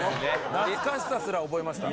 懐かしさすら覚えました。